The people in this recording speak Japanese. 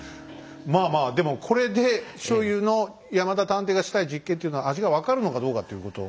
まあまあでもこれでしょうゆの山田探偵がしたい実験というのは味が分かるのかどうかっていうこと。